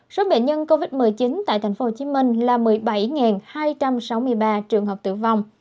số bệnh nhân covid một mươi chín tại tp hcm là một mươi bảy hai trăm sáu mươi ba trường hợp tử vong